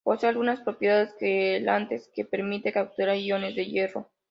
Posee algunas propiedades quelantes que permite capturar iones de hierro.